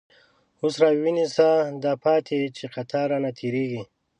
اوس را ونیسه دا پاتی، چه قطار رانه تیریږی